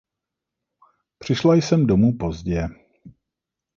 Přišla jsem domů pozdě.